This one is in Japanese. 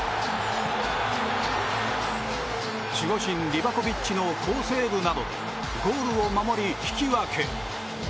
守護神リバコビッチの好セーブなどでゴールを守り引き分け。